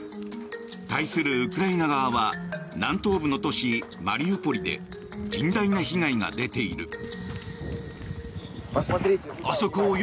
対するウクライナ側は南東部の都市マリウポリで甚大な被害が出ている。